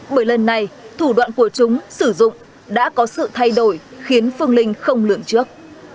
bởi lần này thủ đoạn của chúng sử dụng đã có sự thay đổi khiến phương linh không lượng trước